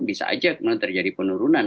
bisa aja kemudian terjadi penurunan